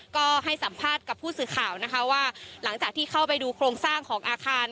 ก็ให้สัมภาษณ์กับผู้สื่อข่าวนะคะว่าหลังจากที่เข้าไปดูโครงสร้างของอาคาร